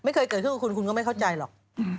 ไม่เคยเกิดขึ้นกับคุณคุณก็ไม่เข้าใจหรอก